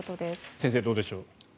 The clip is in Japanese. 先生、どうでしょう。